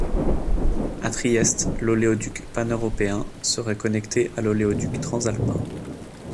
A Trieste, l'oléoduc Pan-européen serait connecté à l'oléoduc Transalpin.